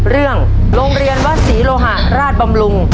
โรงเรียนวัดศรีโลหะราชบำรุง